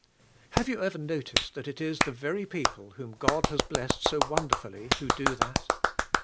Have you ever noticed that it is the very people whom God has blessed so wonderfully who do that?